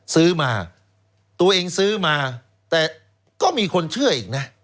ซื้อมาตัวเองซื้อมาแต่ก็มีคนเชื่ออีกนะ